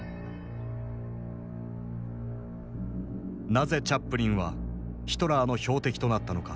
なぜチャップリンはヒトラーの標的となったのか。